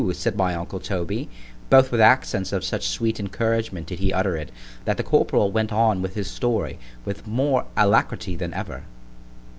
said my uncle Toby—but with accents of such sweet encouragement did he utter it, that the corporal went on with his story with more alacrity than ever.